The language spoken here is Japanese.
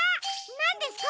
なんですか？